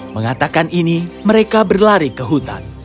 mengatakan ini mereka berlari ke hutan